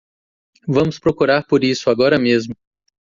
Vamos procurar por isso agora mesmo.